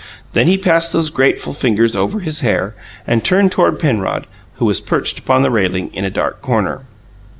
Then he passed those graceful fingers over his hair, and turned toward Penrod, who was perched upon the railing in a dark corner.